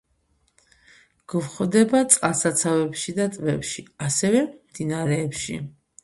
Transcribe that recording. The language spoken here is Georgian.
გვხვდება წყალსაცავებში და ტბებში, ასევე მდინარეებში.